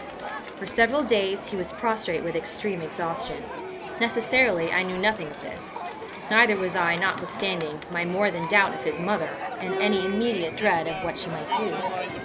For several days he was prostrate with extreme exhaustion. Necessarily, I knew nothing of this; neither was I, notwithstanding my more than doubt of his mother, in any immediate dread of what she might do.